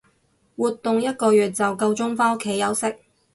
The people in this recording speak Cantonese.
活動一個月就夠鐘返屋企休息